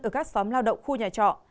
ở các xóm lao động khu nhà trọ